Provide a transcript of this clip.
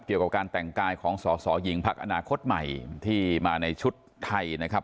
เกี่ยวกับการแต่งกายของสอสอหญิงพักอนาคตใหม่ที่มาในชุดไทยนะครับ